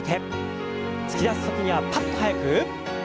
突き出す時にはパッと速く。